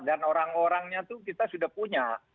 dan orang orangnya itu kita sudah punya